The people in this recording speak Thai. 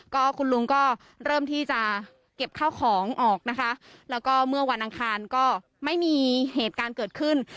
ก็คุณลุงก็เริ่มที่จะเก็บข้าวของออกนะคะแล้วก็เมื่อวันอังคารก็ไม่มีเหตุการณ์เกิดขึ้น